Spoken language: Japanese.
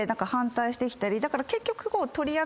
だから結局。